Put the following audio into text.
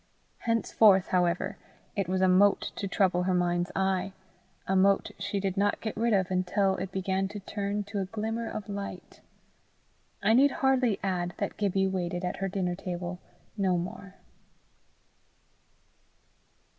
Henceforth, however, it was a mote to trouble her mind's eye, a mote she did not get rid of until it began to turn to a glimmer of light. I need hardly add that Gibbie waited at her dinner table no more.